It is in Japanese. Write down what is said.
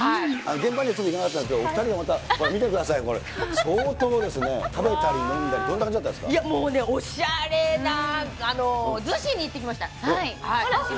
現場にはちょっと行けなかったんですけど、お２人を見てください、これ、相当ですね、食べたり飲んだり、もうおしゃれな、逗子に行ってきました。